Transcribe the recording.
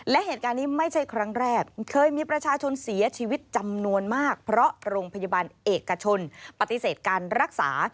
และเหตุการณ์นี้ไม่ใช่ครั้งแรกเคยมีประชาชนเสียชีวิตจำนวนมากเพราะโรงพยาบาลเอกชนปฏิเสธการรักษา